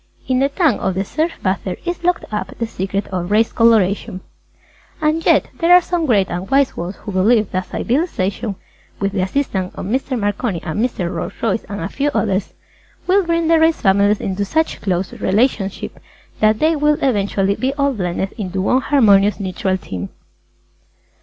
In the tan of the surf bather is locked up the secret of Race Colouration. [Illustration:BLACK RACE] And yet there are some Great and Wise Ones who believe that Civilization (with the assistance of Mr. Marconi and Mr. Rolls H. Royce and a few others) will bring the Race Families into such close relationship that they will eventually be all blended into one harmonious Neutral Tint!